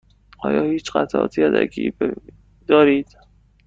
آیا هیچ قطعات یدکی دارید؟